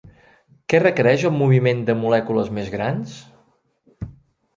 Què requereix el moviment de molècules més grans?